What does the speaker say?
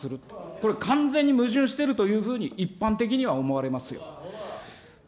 これ完全に矛盾しているというふうに一般的には思われますよ。